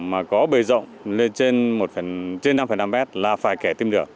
mà có bề rộng lên trên năm năm m là phải kẻ tìm được